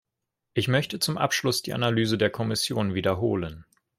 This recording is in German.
Ich möchte zum Abschluss die Analyse der Kommission wiederholen.